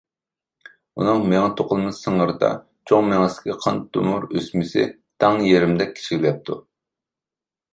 ئۇنىڭ مېڭە توقۇلما سىڭىرىدا چوڭ مېڭىسىدىكى قان تومۇر ئۆسمىسى تەڭ يېرىمدەك كىچىكلەپتۇ.